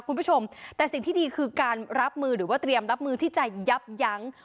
คุณผู้ชมแต่สิ่งที่ดีคือการรับมือหรือว่าเตรียมรับมือที่จะยับยั้ง